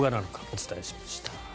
お伝えしました。